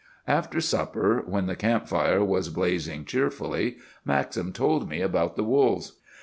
"After supper, when the camp fire was blazing cheerfully, Maxim told me about the wolves.